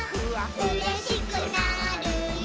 「うれしくなるよ」